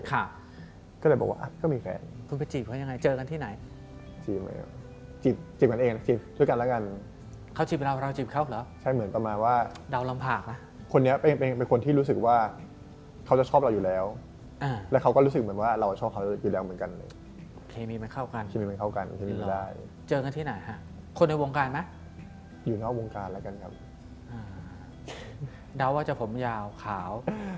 ค่ะค่ะค่ะค่ะค่ะค่ะค่ะค่ะค่ะค่ะค่ะค่ะค่ะค่ะค่ะค่ะค่ะค่ะค่ะค่ะค่ะค่ะค่ะค่ะค่ะค่ะค่ะค่ะค่ะค่ะค่ะค่ะค่ะค่ะค่ะค่ะค่ะค่ะค่ะค่ะค่ะค่ะค่ะค่ะค่ะค่ะค่ะค่ะค่ะค่ะค่ะค่ะค่ะค่ะค่ะค